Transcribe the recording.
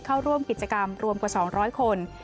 เข้าร่วมกิจกรรมรวมกว่า๒๐๐คน